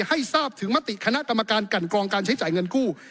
ให้ทราบถึงมติคณะกรรมการกันกรองการใช้จ่ายเงินกู้